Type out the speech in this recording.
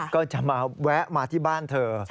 ก็จะมาแวะมาที่บ้านเธอ